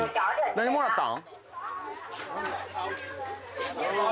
何もらったん？